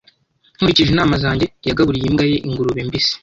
Nkurikije inama zanjye, yagaburiye imbwa ye ingurube mbisi.